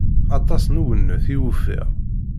Aṭas n uwennet i ufiɣ.